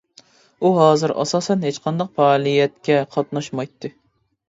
ئۇ ھازىر ئاساسەن ھېچقانداق پائالىيەتكە قاتناشمايتتى.